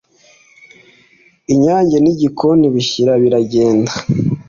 inyange n’igikona bishyira biragende